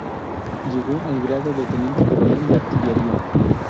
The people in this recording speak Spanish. Llegó al grado de teniente coronel de Artillería.